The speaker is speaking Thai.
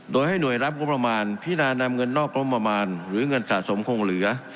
โดยให้หน่วยรับงบประมาณพินานำเงินนอกร่มประมาณหรือเงินสะสมคงเหลือ